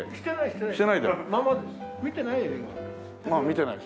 見てない？